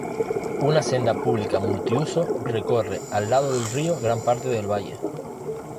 Una senda pública multiuso recorre al lado del río gran parte del valle.